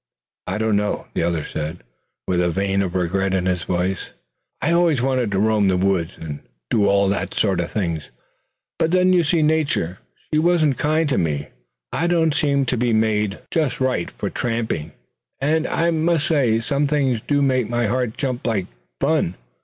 "I don't know," the other said, with a vein of regret in his voice; "I always wanted to roam the woods, and do all that sort of thing; but then you see Nature, she wasn't kind to me. I don't seem to be made just right for tramping. And I must say some things do make my heart jump like fun.